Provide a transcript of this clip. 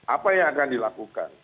apa yang akan dilakukan